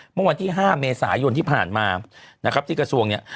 เมื่อวันที่๕เมษายนที่ผ่านมานะครับที่กระทรวงเนี่ย